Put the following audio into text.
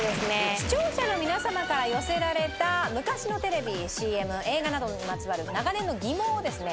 視聴者の皆様から寄せられた昔のテレビＣＭ映画などにまつわる長年の疑問をですね